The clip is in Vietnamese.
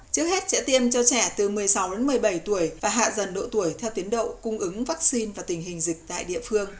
trước hết sẽ tiêm cho trẻ từ một mươi sáu đến một mươi bảy tuổi và hạ dần độ tuổi theo tiến độ cung ứng vaccine và tình hình dịch tại địa phương